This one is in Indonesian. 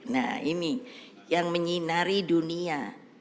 nah ini yang menyinari dunia